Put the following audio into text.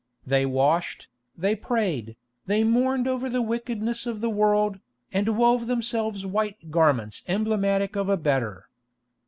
They washed, they prayed, they mourned over the wickedness of the world, and wove themselves white garments emblematic of a better.